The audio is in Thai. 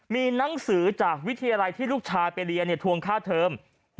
มีหนังสือจากวิทยาลัยที่ลูกชายไปเรียนทวงค่าเทอม